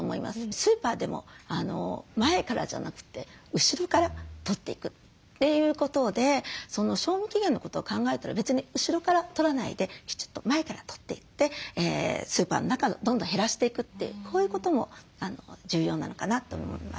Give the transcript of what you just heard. スーパーでも前からじゃなくて後ろから取っていくということで賞味期限のことを考えたら別に後ろから取らないできちっと前から取っていってスーパーの中のをどんどん減らしていくってこういうことも重要なのかなと思います。